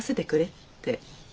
って。